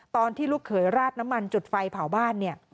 ตอนที่ลูกเขยราดน้ำมันจุดไฟเผาบ้าน